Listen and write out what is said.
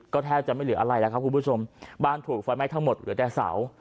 ก็แทบจะไม่เหลืออะไรแล้วครับคุณผู้ชมบ้านถูกไฟไหม้ทั้งหมดเหลือแต่เสา